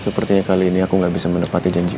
sepertinya kali ini aku gak bisa mendepati janjiku